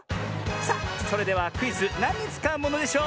さあそれではクイズ「なんにつかうものでショー」